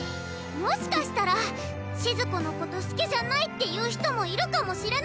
もしかしたらしず子のこと好きじゃないって言う人もいるかもしれないけど！